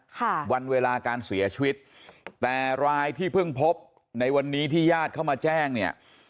ค่ะวันเวลาการเสียชีวิตแต่รายที่เพิ่งพบในวันนี้ที่ญาติเข้ามาแจ้งเนี่ย